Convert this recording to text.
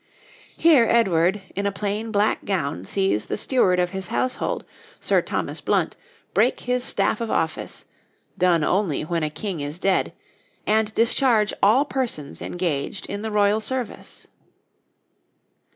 Here Edward, in a plain black gown, sees the steward of his household, Sir Thomas Blount, break his staff of office, done only when a King is dead, and discharge all persons engaged in the royal service.